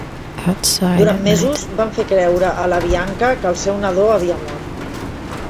Durant mesos van fer creure a la Bianca que el seu nadó havia mort.